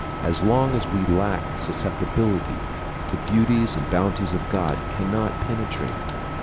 As long as we lack susceptibility, the beauties and bounties of God cannot penetrate.